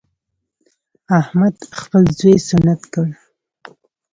احمد خپل زوی سنت کړ.